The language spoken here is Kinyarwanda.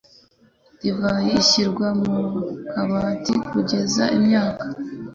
Divayi ishyirwa mu kabati kugeza imyaka.